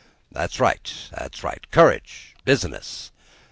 "That's right, that's right. Courage! Business!